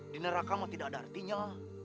di nerakama tidak ada artinya